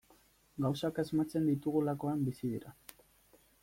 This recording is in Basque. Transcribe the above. Gauzak asmatzen ditugulakoan bizi dira.